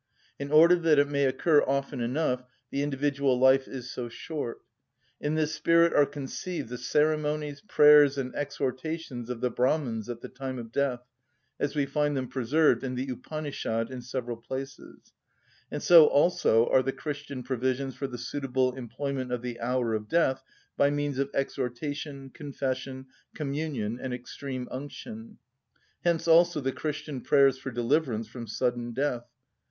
In order that it may occur often enough, the individual life is so short. In this spirit are conceived the ceremonies, prayers, and exhortations of the Brahmans at the time of death, as we find them preserved in the Upanischad in several places; and so also are the Christian provisions for the suitable employment of the hour of death by means of exhortation, confession, communion, and extreme unction: hence also the Christian prayers for deliverance from sudden death.